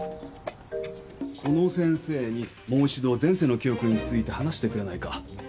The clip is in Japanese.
この先生にもう一度前世の記憶について話してくれないか？